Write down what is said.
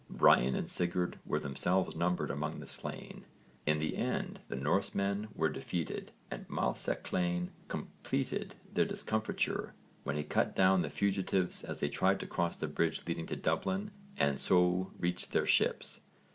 Brian and Sigurd were themselves numbered among the slain. In the end the Norsemen were defeated and Maelsechlainn completed their discomfiture when he cut down the fugitives as they tried to cross the bridge leading to Dublin and so reach their ships.